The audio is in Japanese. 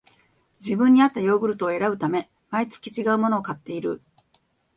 自分にあったヨーグルトを選ぶため、毎月ちがうものを買っている